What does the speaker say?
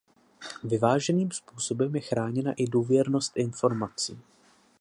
Vyváženým způsobem je chráněna i důvěrnost informací.